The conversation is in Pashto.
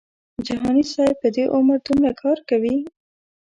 جهاني صاحب په دې عمر دومره کار کوي.